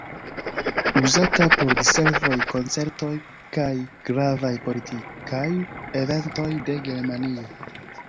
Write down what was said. Uzata por diservoj, koncertoj kaj gravaj politikaj eventoj de Germanio.